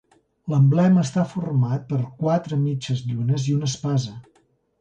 L'emblema està format per quatre mitges llunes i una espasa.